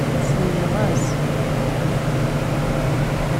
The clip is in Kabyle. Selleɣ-as.